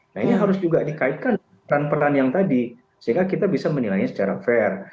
nah ini harus juga dikaitkan dengan peran peran yang tadi sehingga kita bisa menilainya secara fair